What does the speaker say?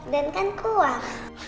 dan kan kuat